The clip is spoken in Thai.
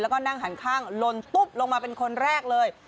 แล้วก็นั่งหันข้างลนตุ๊บลงมาเป็นคนแรกเลย